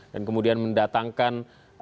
dan kemudian mendatangkan